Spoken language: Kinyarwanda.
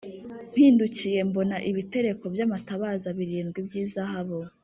mpindukiye mbona ibitereko by’amatabaza birindwi by’izahabu,